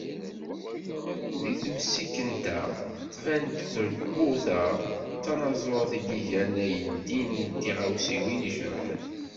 Di temsikent-a, tban-d trubut-a d tanaẓurt i d-igan ayendin d tiɣawsiwin icebḥen.